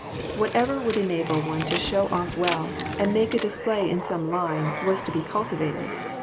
Whatever would enable one to show off well, and make a display in some line, was to be cultivated.